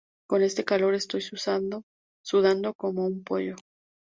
Con este calor estoy sudando como un pollo